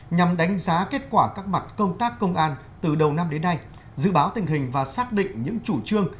nhằm đánh giá kết quả các mặt công tác công an từ đầu năm đến nay dự báo tình hình và xác định những chủ trương